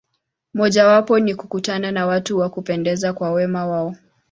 Mojawapo ni kukutana na watu wa kupendeza kwa wema wao.